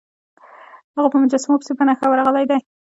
هغه په مجسمو پسې په نښه ورغلی دی.